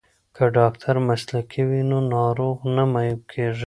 که ډاکټر مسلکی وي نو ناروغ نه معیوب کیږي.